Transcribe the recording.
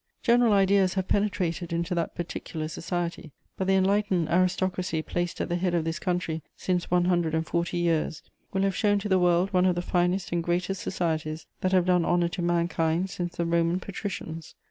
General ideas have penetrated into that particular society. But the enlightened aristocracy placed at the head of this country since one hundred and forty years will have shown to the world one of the finest and greatest societies that have done honour to mankind since the Roman patricians.